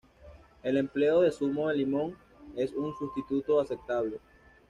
El empleo de zumo de limón es un substituto aceptable.